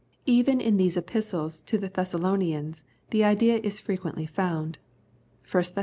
Even in these Epistles to the Thessalonians, the idea is frequently found (i Thess.